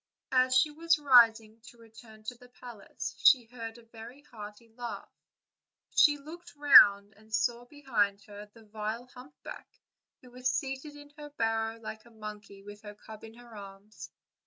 As she was rising to return to the palace she heard a very hearty laugh: she looked round and saw behind her the vile humpback, who was seated in her barrow like a monkey, with her cub in her arms.